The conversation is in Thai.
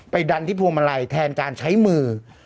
ไปดันที่ภูมิมาลัยแทนการใช้มือ